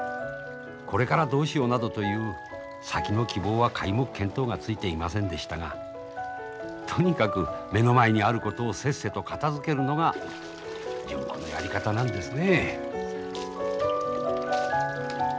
これからどうしようなどという先の希望は皆目見当がついていませんでしたがとにかく目の前にあることをせっせと片づけるのが純子のやり方なんですねえ。